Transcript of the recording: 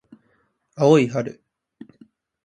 青い春